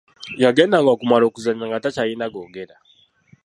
Yagendanga okumala okuzannya nga takyalina googera.